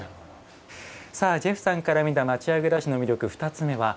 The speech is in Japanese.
さあジェフさんから見た町家暮らしの魅力